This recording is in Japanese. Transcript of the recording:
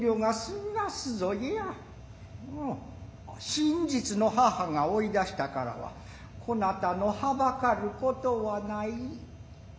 真実の母が追い出したからはこなたの憚る事はない。